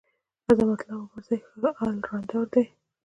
عظمت الله عمرزی ښه ال راونډر دی.